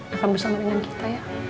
akan bersama dengan kita ya